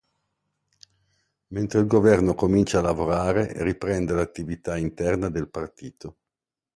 Mentre il governo comincia a lavorare, riprende l'attività interna del partito.